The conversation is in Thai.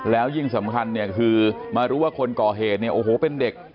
แล้วยิ่งสำคัญเนี่ยคือมารู้ว่าคนก่อเหตุเนี่ยโอ้โหเป็นเด็ก